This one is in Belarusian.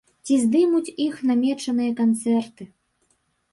Ці здымуць іх намечаныя канцэрты.